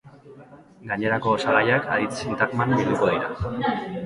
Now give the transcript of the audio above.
Gainerako osagaiak aditz-sintagman bilduko dira.